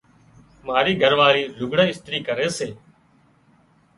مارِي گھرواۯِي لُگھڙان اِسترِي ڪري سي۔